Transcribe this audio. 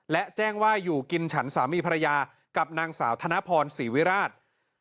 และแจ้งว่าอยู่กินฉันสามีภรรยากับนางสาวธนพรศรีวิราช